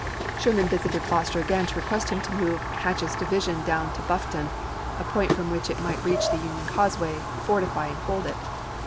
Sherman visited Foster again to request him to move Hatch's division down to Bluffton, a point from which it might reach the Union cause way, fortify, and hold it.